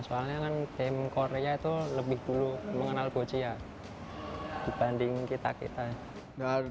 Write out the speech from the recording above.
soalnya kan tim korea itu lebih dulu mengenal boccia dibanding kita kita